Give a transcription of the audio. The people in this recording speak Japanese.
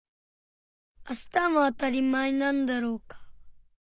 あしたもあたりまえなんだろうか？